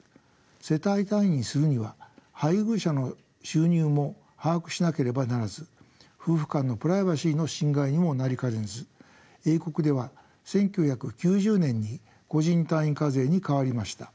世帯単位にするには配偶者の収入も把握しなければならず夫婦間のプライバシーの侵害にもなりかねず英国では１９９０年に個人単位課税に変わりました。